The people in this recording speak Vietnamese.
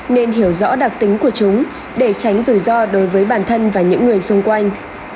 nên hiểu rõ đặc tính của chúng để tránh rủi ro đối với bản thân và những người xung quanh